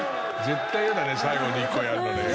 絶対やだね最後の１個やるのね。